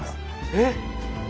えっ？